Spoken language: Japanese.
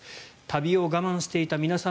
旅を我慢していた皆様